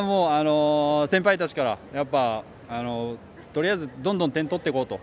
先輩たちからとりあえずどんどん点取っていこうと。